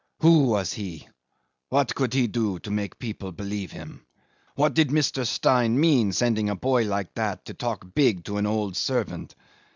Who was he? What could he do to make people believe him? What did Mr. Stein mean sending a boy like that to talk big to an old servant?